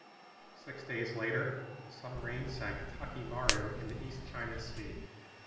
Six days later, the submarine sank "Taki Maru" in the East China Sea.